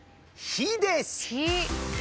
「火」です。